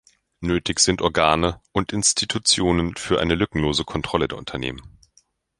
Nötig sind Organe und Institutionen für eine lückenlose Kontrolle der Unternehmen.